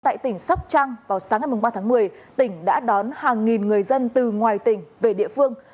tại tỉnh sóc trăng vào sáng ngày ba tháng một mươi tỉnh đã đón hàng nghìn người dân từ ngoài tỉnh về địa phương